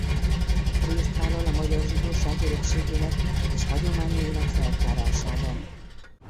Részt vállal a magyar zsidóság örökségének és hagyományainak feltárásában.